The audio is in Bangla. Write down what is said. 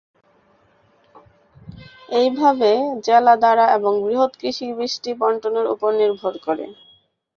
এইভাবে, জেলা দ্বারা এবং বৃহৎ কৃষি বৃষ্টি বণ্টনের উপর নির্ভর করে।